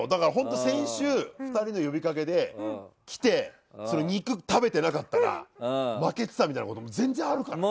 先週、２人の呼び掛けで来て肉を食べて負けてたみたいなこと全然あるからね。